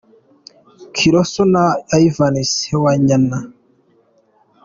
Kisolo na Ivani Sewanyana.